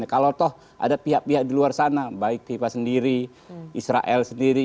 kalau toh ada pihak pihak di luar sana baik fifa sendiri israel sendiri